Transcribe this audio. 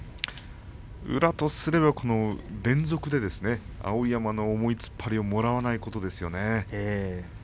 宇良とすれば連続で碧山の重い突っ張りをもらわないことですよね。